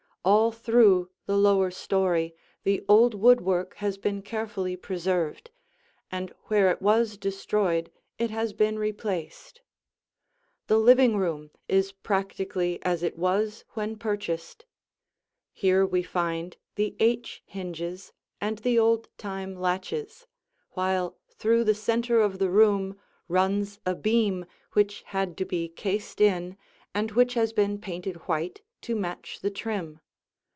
All through the lower story the old woodwork has been carefully preserved, and where it was destroyed it has been replaced. The living room is practically as it was when purchased. Here we find the H hinges and the old time latches, while through the center of the room runs a beam which had to be cased in and which has been painted white to match the trim.